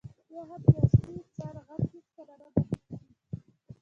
بیا هم د اصلي انسان غږ هېڅکله نه بدلېږي.